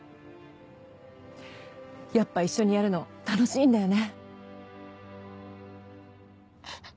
やっぱ一緒にやるの楽しいんだよね。